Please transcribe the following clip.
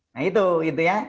nah itu ya